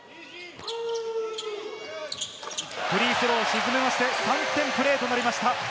フリースローを沈めまして、３点プレーとなりました。